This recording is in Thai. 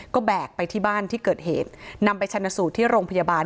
ก็แบกไปที่บ้านที่เกิดเหตุนำไปชนะสูตรที่โรงพยาบาล